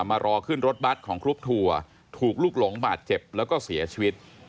มารอขึ้นรถบัตรของกรุ๊ปทัวร์ถูกลูกหลงบาดเจ็บแล้วก็เสียชีวิต